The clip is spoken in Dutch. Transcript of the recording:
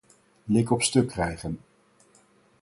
Lik op stuk krijgen.